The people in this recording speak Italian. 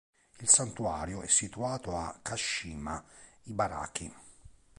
Il santuario è situato a Kashima, Ibaraki.